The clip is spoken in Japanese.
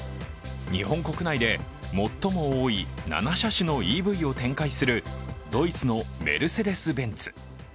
日本国内で最も多い７車種のＥＶを展開するドイツのメルセデス・ベンツ。